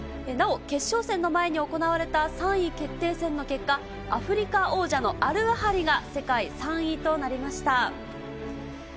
なお、決勝戦の前に行われた３位決定戦の結果、アフリカ王者のアルアハリが世界３位となりました。